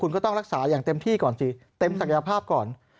คุณก็ต้องรักษาอย่างเต็มที่ก่อนสิเต็มศักยภาพก่อน